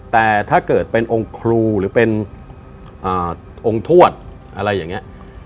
แต่ถ้าเกิดเป็นองค์ครูหรือเป็นองค์ทวดอะไรอย่างนี้